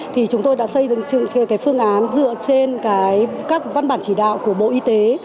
thì chúng tôi đã xây dựng cái phương án dựa trên các văn bản chỉ đạo của bộ y tế